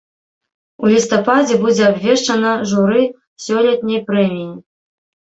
У лістападзе будзе абвешчана журы сёлетняй прэміі.